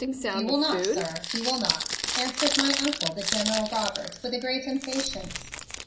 "He will not, sir, he will not!" answered my Uncle, the General Robert, with a great impatience.